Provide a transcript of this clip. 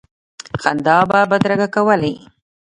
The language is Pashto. خندا به بدرګه کولې.